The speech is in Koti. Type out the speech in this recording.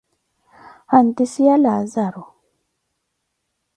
Hantise Ya Laazaro